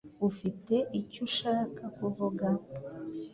Ufite icyo ushaka kuvuga?